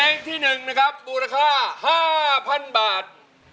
เพลงที่๑นะครับมูลค่า๕๐๐๐บาท